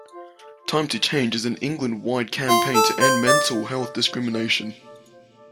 Time to Change is an England-wide campaign to end mental health discrimination.